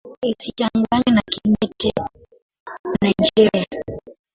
Isichanganywe na Kibete ya Nigeria.